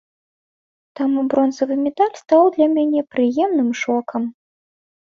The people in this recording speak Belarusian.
Таму бронзавы медаль стаў для мяне прыемным шокам.